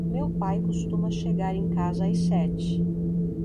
Meu pai costuma chegar em casa às sete.